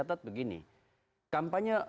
bandung suka bnp jg nyall